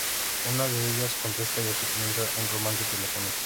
Una de ellas contesta y así comienza un romance telefónico.